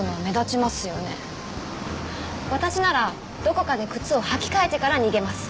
私ならどこかで靴を履き替えてから逃げます。